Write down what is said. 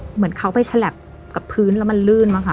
เหมือนเขาไปฉลับกับพื้นแล้วมันลื่นมั้งค่ะ